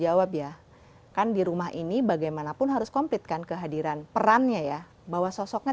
jawab ya kan di rumah ini bagaimanapun harus komplit kan kehadiran perannya ya bahwa sosoknya